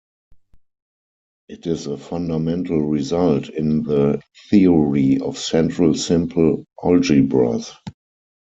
It is a fundamental result in the theory of central simple algebras.